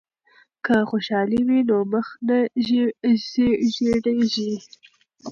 که خوشحالی وي نو مخ نه ژیړیږي.